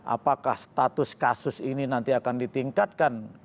apakah status kasus ini nanti akan ditingkatkan